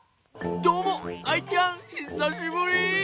どうもアイちゃんひさしぶり。